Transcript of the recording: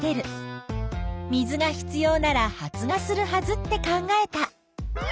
水が必要なら発芽するはずって考えた。